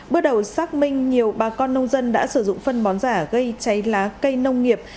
bước đầu xác minh nhiều bà con nông dân đã sử dụng phân bón giả gây cháy lá cây nông nghiệp